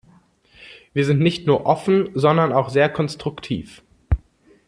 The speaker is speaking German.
Wir sind nicht nur offen, sondern auch sehr konstruktiv.